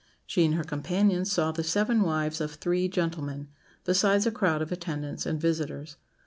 She and her companions saw the seven wives of three gentlemen, besides a crowd of attendants and visitors.